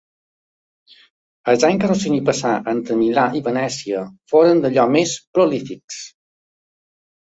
Els anys que Rossini passà entre Milà i Venècia foren d'allò més prolífics.